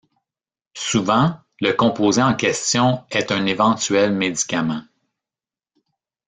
Souvent, le composé en question est un éventuel médicament.